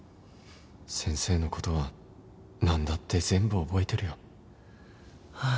先生の事はなんだって全部覚えてるよはあ。